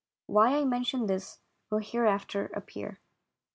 Why I mention this will here after appear.